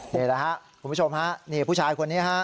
นี่แหละครับคุณผู้ชมฮะนี่ผู้ชายคนนี้ฮะ